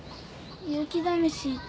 勇気試し